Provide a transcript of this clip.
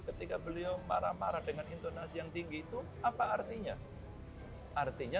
ketika beliau marah marah dengan intonasi yang tinggi itu apa artinya